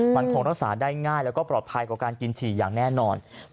มันคงรักษาได้ง่ายแล้วก็ปลอดภัยกว่าการกินฉี่อย่างแน่นอน